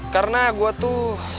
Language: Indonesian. karena gue tuh